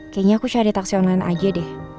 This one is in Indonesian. kayaknya aku cari taksi online aja deh